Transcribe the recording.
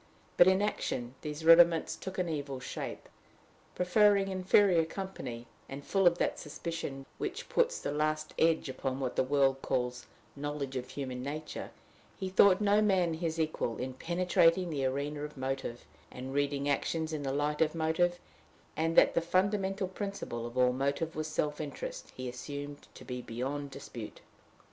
But in action these rudiments took an evil shape. Preferring inferior company, and full of that suspicion which puts the last edge upon what the world calls knowledge of human nature, he thought no man his equal in penetrating the arena of motive, and reading actions in the light of motive; and, that the fundamental principle of all motive was self interest, he assumed to be beyond dispute.